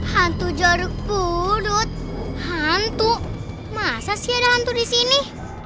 hantu jaruk bulut hantu masa sih ada hantu di sini